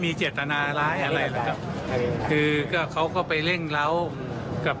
ไม่เป็นไรมันผ่านไปแล้วนะครับ